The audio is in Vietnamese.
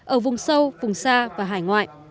ở vùng sâu vùng xa và hải ngoại